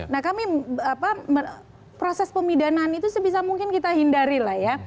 nah kami proses pemidanaan itu sebisa mungkin kita hindari lah ya